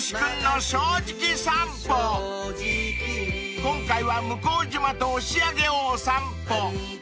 ［今回は向島と押上をお散歩］